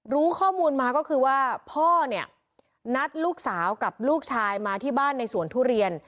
รู้ข้อมูลมาก็คือว่าพ่อเนี่ยนัดลูกสาวกับลูกชายมาที่บ้านในสวนทุเรียน